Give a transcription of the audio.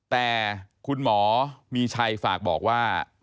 แต่คุณหมอมีชัยฝากบอกว่า